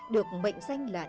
được mệnh danh là